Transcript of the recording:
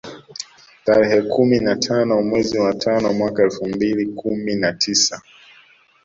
Tarehe kumi na tano mwezi wa tano mwaka elfu mbili kumi na tisa